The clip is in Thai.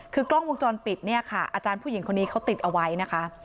คือกล้องวงจรปิดเนี่ยค่ะอาจารย์ผู้หญิงคนนี้เขาติดเอาไว้นะคะ